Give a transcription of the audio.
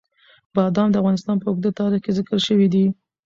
بادام د افغانستان په اوږده تاریخ کې ذکر شوي دي.